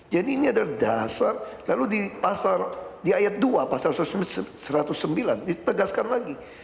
jadi ini adalah dasar lalu di ayat dua pasal satu ratus sembilan ditegaskan lagi